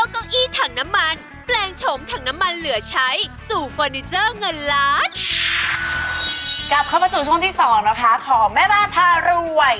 กลับเข้ามาสู่ช่วงที่สองนะคะของแม่บ้านพารวย